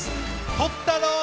とったどー！